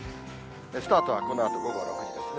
スタートはこのあと午後６時ですね。